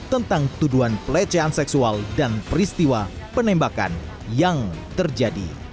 tentang tuduhan pelecehan seksual dan peristiwa penembakan yang terjadi